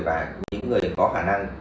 và những người có khả năng